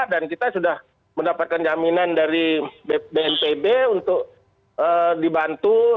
dan kita sudah mendapatkan jaminan dari bnpb untuk dibantu